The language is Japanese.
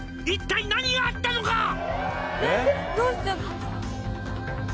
一体何があったのか！？」